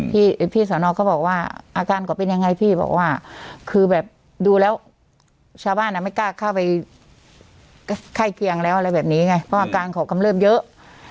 พี่พี่สอนอก็บอกว่าอาการเขาเป็นยังไงพี่บอกว่าคือแบบดูแล้วชาวบ้านอ่ะไม่กล้าเข้าไปใกล้เคียงแล้วอะไรแบบนี้ไงเพราะอาการเขากำเริบเยอะ